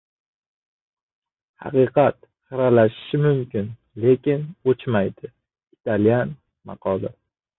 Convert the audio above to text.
Haqiqat xiralashishi mumkin, lekin o‘chmaydi. Italyan maqoli